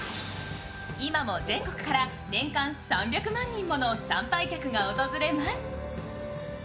今も全国から年間３００万人もの参拝客が訪れます。